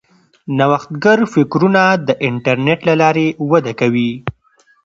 نوښتګر فکرونه د انټرنیټ له لارې وده کوي.